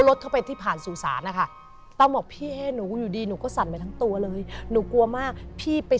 ห๊ะเช็ครถอะไร